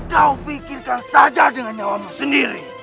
kau pikirkan saja dengan nyawamu sendiri